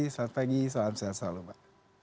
selamat pagi salam sehat selalu mbak